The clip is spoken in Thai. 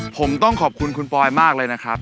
ผมต้องขอบคุณคุณปอยมากเลยนะครับ